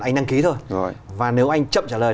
anh đăng ký thôi rồi và nếu anh chậm trả lời